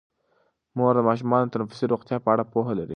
مور د ماشومانو د تنفسي روغتیا په اړه پوهه لري.